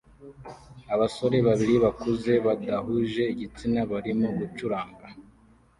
Abasore babiri bakuze badahuje igitsina barimo gucuranga